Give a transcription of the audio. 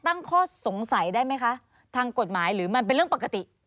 ตั้งข้อสงสัยได้ไหมคะทางกฎหมายหรือมันเป็นเรื่องปกติ